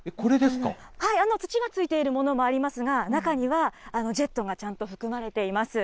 はい、土がついているものもありますが、中には、ジェットがちゃんと含まれています。